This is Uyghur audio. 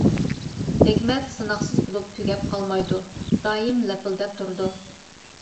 ھېكمەت ساناقسىز بولۇپ تۈگەپ قالمايدۇ، دائىم لەپىلدەپ تۇرىدۇ.